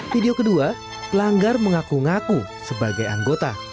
video kedua pelanggar mengaku ngaku sebagai anggota